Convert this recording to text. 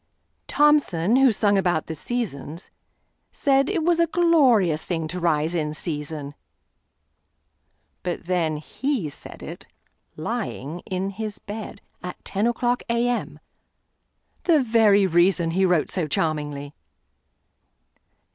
Thomson, who sung about the "Seasons," saidIt was a glorious thing to rise in season; But then he said it—lying—in his bed, At ten o'clock A.M.,—the very reasonHe wrote so charmingly.